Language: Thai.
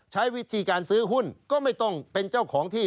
ใช้วิธีการซื้อหุ้นก็ไม่ต้องเป็นเจ้าของที่